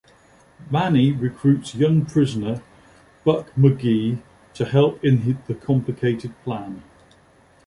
Manny recruits young prisoner Buck McGeehy to help in the complicated plan.